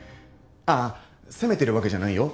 あっ責めてるわけじゃないよ。